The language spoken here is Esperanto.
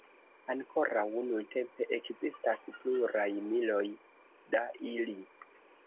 Ankoraŭ nuntempe ekzistas pluraj miloj da ili.